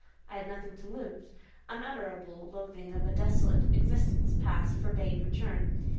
I had nothing to lose. Unutterable loathing of a desolate existence past, forbade return.